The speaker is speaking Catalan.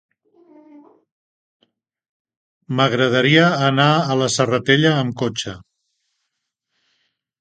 M'agradaria anar a la Serratella amb cotxe.